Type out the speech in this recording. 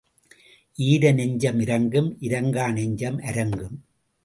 ஈர நெஞ்சம் இரங்கும் இரங்கா நெஞ்சம் அரங்கும்.